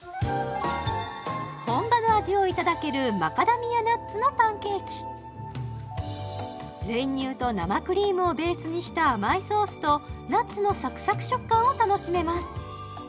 本場の味をいただける練乳と生クリームをベースにした甘いソースとナッツのサクサク食感を楽しめます